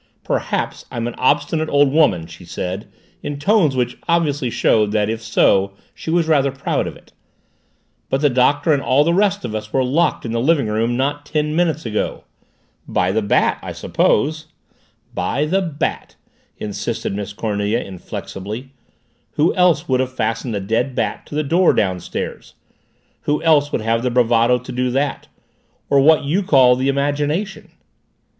"Perhaps I'm an obstinate old woman," she said in tones which obviously showed that if so she was rather proud of it, "but the Doctor and all the rest of us were locked in the living room not ten minutes ago!" "By the Bat, I suppose!" mocked Anderson. "By the Bat!" insisted Miss Cornelia inflexibly. "Who else would have fastened a dead bat to the door downstairs? Who else would have the bravado to do that? Or what you call the imagination?"